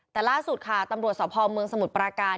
แต่ล่าสุดค่ะตำรวจสภเมืองสมุทรปราการ